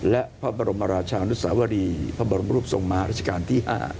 และพระบรมราชานุสาวรีพระบรมรูปทรงมาราชการที่๕